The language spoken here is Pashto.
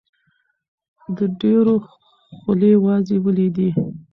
د ډېرو خولې وازې ولیدې.